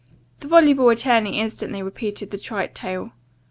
* The voluble attorney instantly repeated the trite tale.